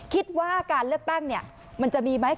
คิดว่าการเลือกตั้งมันจะมีไหม